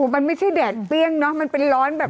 มันไม่ใช่แดดเปรี้ยงเนอะมันเป็นร้อนแบบ